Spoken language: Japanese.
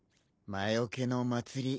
魔よけの祭り